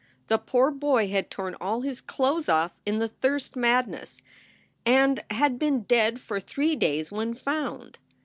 The poor boy had torn all his clothes off in the thirst madness and had been dead for three days when found.